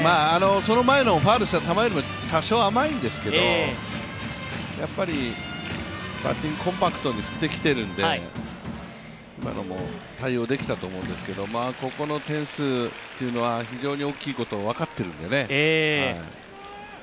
その前のファウルした球よりも多少甘いんですけど、バッティングをコンパクトに振ってきてるんで今のも対応できたと思うんですけどここの点数というのは非常に大きいことが分かっているんでね。